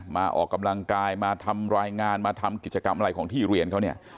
ออกกำลังกายมาทำรายงานมาทำกิจกรรมอะไรของที่เรียนเขาเนี่ย